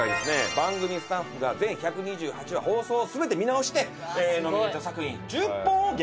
番組スタッフが全１２８話放送を全て見直してノミネート作品１０本を厳選しました。